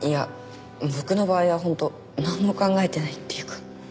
僕の場合は本当なんも考えてないっていうか。